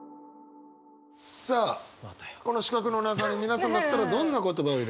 さあこの四角の中に皆さんだったらどんな言葉を？